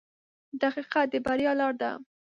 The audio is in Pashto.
• دقیقه د بریا لار ده.